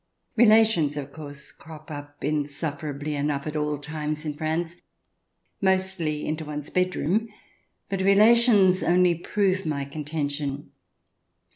Relations, of course, crop up insufferably enough at all times in France, mostly into one's bedroom, but relations only prove my contention.